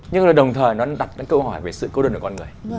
nhưng mà đồng thời nó đặt câu hỏi về sự cô đơn của con người